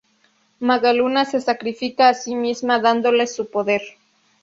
Maga Luna se sacrifica a sí misma dándoles su poder.